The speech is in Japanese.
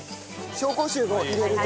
紹興酒を入れると。